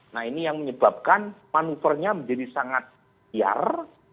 nah ini yang menyebabkan manuvernya menjadi sangat liar